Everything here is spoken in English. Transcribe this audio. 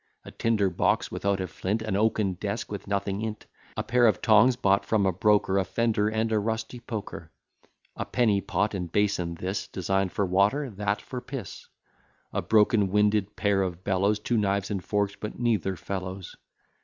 A tinder box without a flint, An oaken desk with nothing in't; A pair of tongs bought from a broker, A fender and a rusty poker; A penny pot and basin, this Design'd for water, that for piss; A broken winded pair of bellows, Two knives and forks, but neither fellows.